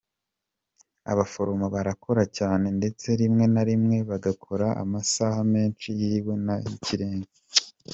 Abaforomo barakora cyane, ndetse rimwe na rimwe bagakora amasaha menshi yewe n’ayikirenga.